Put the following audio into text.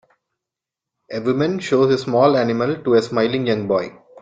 a woman shows a small animal to a smiling young boy.